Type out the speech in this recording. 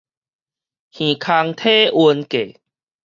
耳空體溫計